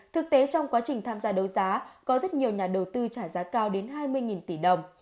thực tế trong quá trình tham gia đấu giá có rất nhiều nhà đầu tư trả giá cao đến hai mươi tỷ đồng